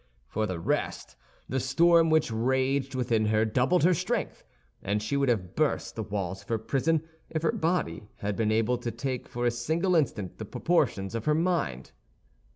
For the rest, the storm which raged within her doubled her strength, and she would have burst the walls of her prison if her body had been able to take for a single instant the proportions of her mind.